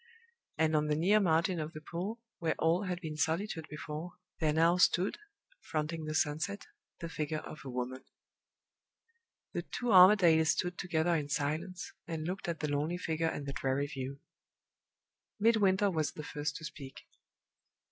And on the near margin of the pool, where all had been solitude before, there now stood, fronting the sunset, the figure of a woman. The two Armadales stood together in silence, and looked at the lonely figure and the dreary view. Midwinter was the first to speak.